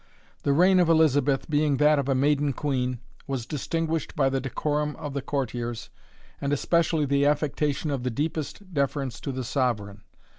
The reign of Elizabeth, being that of a maiden queen, was distinguished by the decorum of the courtiers, and especially the affectation of the deepest deference to the sovereign.